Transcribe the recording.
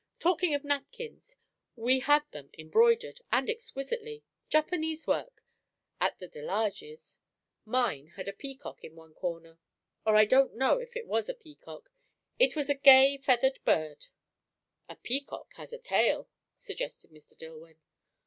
Talking of napkins we had them embroidered and exquisitely Japanese work; at the De Larges'. Mine had a peacock in one corner; or I don't know if it was a peacock; it was a gay feathered bird " "A peacock has a tail," suggested Mr. Dillwyn.